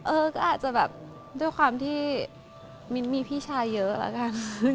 เออก็อาจจะแบบด้วยความที่มิ้นมีพี่ชายเยอะแล้วกัน